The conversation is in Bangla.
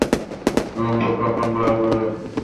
এই সঙ্গীত অনন্তকাল ধরিয়া চলিয়াছে।